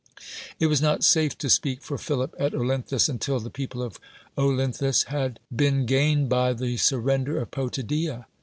It was not safe to speak for Philip at Olynthus until the people of Olynthus had been gained by the sur render of Potidffia.